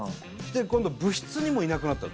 今度部室にもいなくなったんですよ。